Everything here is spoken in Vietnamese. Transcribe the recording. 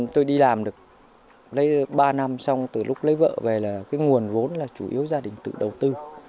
tôi đi làm được lấy ba năm xong từ lúc lấy vợ về là cái nguồn vốn là chủ yếu gia đình tự đầu tư